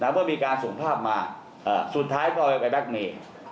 เมื่อมีการส่งภาพมาสุดท้ายก็เอาไปแล็กเมย์